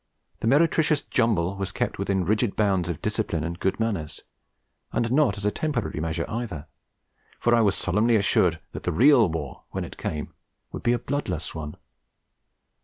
The meretricious jumble was kept within rigid bounds of discipline and good manners, and not as a temporary measure either; for I was solemnly assured that the 'real war,' when it came, would be a bloodless one.